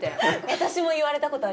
私も言われたことあります。